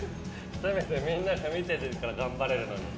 せめてみんなが見てるから頑張れるのに。